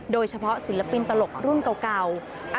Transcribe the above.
โดยเฉพาะศิลปินตลกรุ่นเก่า